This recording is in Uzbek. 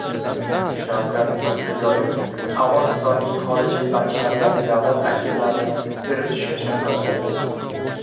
Shavkat Mirziyoyev Afg‘onistonning xorijiy banklardagi davlat aktivlarini eritishga chaqirdi